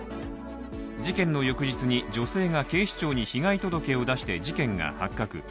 事件の翌日に女性が警視庁に被害届を出して事件が発覚。